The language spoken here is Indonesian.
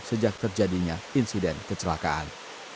sejak terjadinya insiden kecelakaan